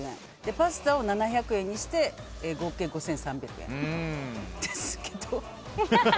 パスタを７００円にして合計５３００円ですけど。